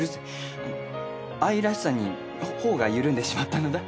あの愛らしさに頬が緩んでしまったのだ。